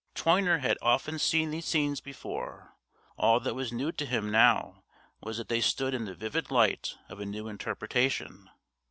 Toyner had often seen these scenes before; all that was new to him now was that they stood in the vivid light of a new interpretation.